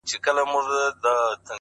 خو د سندرو په محل کي به دي ياده لرم.